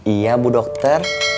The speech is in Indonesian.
iya bu dokter